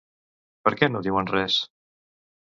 Per què no diuen res?